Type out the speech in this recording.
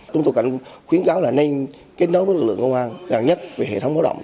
chúng tôi khuyến cáo là nên kết nối với lực lượng công an gần nhất về hệ thống báo động